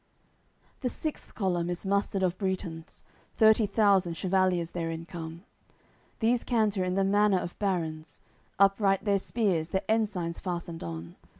AOI. CCXXI The sixth column is mustered of Bretons; Thirty thousand chevaliers therein come; These canter in the manner of barons, Upright their spears, their ensigns fastened on.